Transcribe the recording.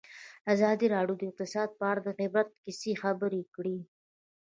ازادي راډیو د اقتصاد په اړه د عبرت کیسې خبر کړي.